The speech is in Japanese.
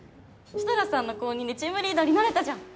設楽さんの後任でチームリーダーになれたじゃん。